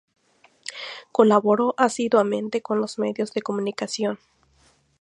Colaboró asiduamente con los medios de comunicación.